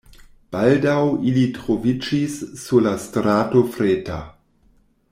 Baldaŭ ili troviĝis sur la strato Freta.